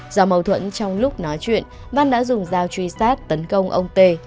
do mâu thuẫn trong lúc nói chuyện văn đã dùng dao truy sát tấn công ông tê